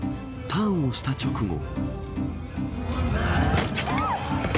ターンをした直後。